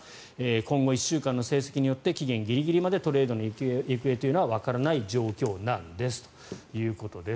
今後１週間の成績によって期限ギリギリまでトレードの行方はわからない状況なんですということです。